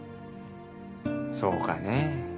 そうかね？